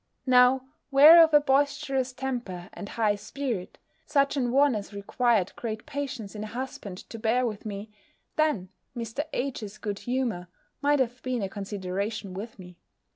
Now, were I of a boisterous temper, and high spirit, such an one as required great patience in a husband to bear with me, then Mr. H.'s good humour might have been a consideration with me.